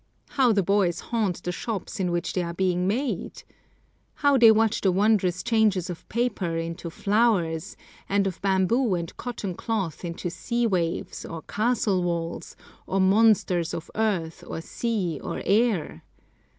How the boys haunt the shops in which they are being made! How they watch the wondrous changes of paper into flowers, and of bamboo and cotton cloth into sea waves, or castle walls, or monsters of earth or sea or air!